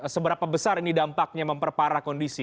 seberapa besar ini dampaknya memperparah kondisi